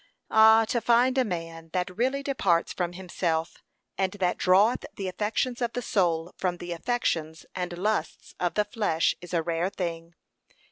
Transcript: Ah! to find a man that really departs from himself, and that draweth the affections of the soul, from the affections and lusts of his flesh is rare thing.